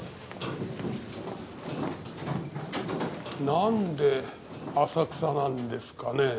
なんで浅草なんですかね？